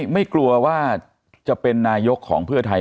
ไม่กลัวว่าจะเป็นนายกของเพื่อไทย